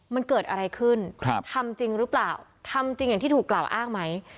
มันเกิดอะไรขึ้นครับทำจริงหรือเปล่าทำจริงอย่างที่ถูกกล่าวอ้างไหม